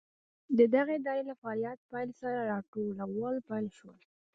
د دغې ادارې له فعالیت پیل سره راټولول پیل شول.